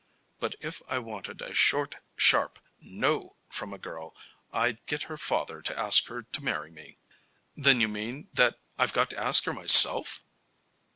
But if I wanted a short, sharp 'No' from a girl, I'd get her father to ask her to marry me." "Then you mean that I've got to ask her myself?"